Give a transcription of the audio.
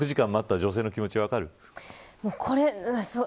６時間待った女性の気持ち分かりますか。